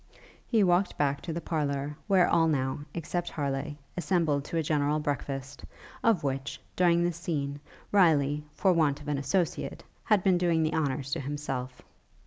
He walked back to the parlour, where all now, except Harleigh, assembled to a general breakfast, of which, during this scene, Riley, for want of an associate, had been doing the honors to himself.